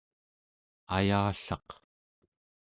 ayallaq